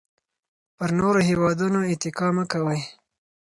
پر نورو هېوادونو اتکا مه کوئ.